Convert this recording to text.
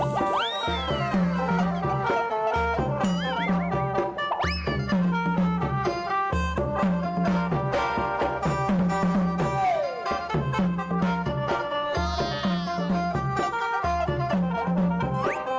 สวัสดิ์